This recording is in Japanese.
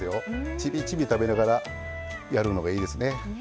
ちびちび食べながらやるのがいいですね。